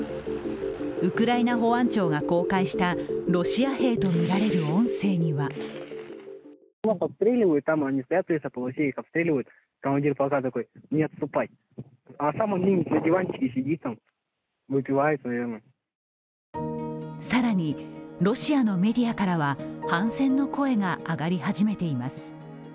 ウクライナ保安庁が公開したロシア兵とみられる音声には更に、ロシアのメディアからは反戦の声が上がり始めています。